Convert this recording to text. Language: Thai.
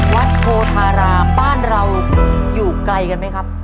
วัดโพธารามบ้านเราอยู่ไกลกันไหมครับ